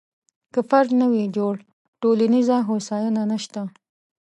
که فرد نه وي جوړ، ټولنیزه هوساینه نشته.